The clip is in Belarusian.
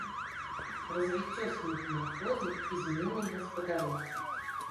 Развіццё з метамарфозай і зменай гаспадароў.